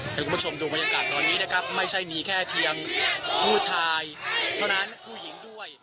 ให้คุณผู้ชมดูบรรยากาศตอนนี้นะครับไม่ใช่มีแค่เพียงผู้ชายเท่านั้นผู้หญิงด้วย